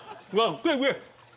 食え食え！